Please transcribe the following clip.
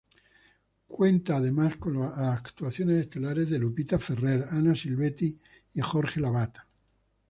Cuenta además con las actuaciones estelares de Lupita Ferrer, Anna Silvetti y Jorge Lavat.